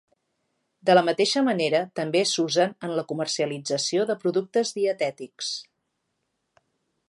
De la mateixa manera també s'usen en la comercialització de productes dietètics.